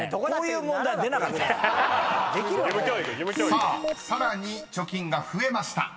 ［さあさらに貯金が増えました。